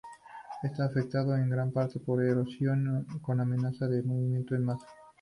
Está afectado en gran parte por erosión con amenaza de movimientos en masa.